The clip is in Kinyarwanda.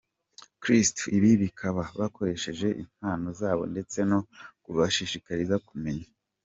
Kristu, ibi bikaba bakoresheje impano zabo ndetse no kubashishikariza kumenya.